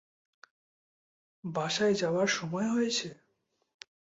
বাসায় যাবার সময় হয়েছে।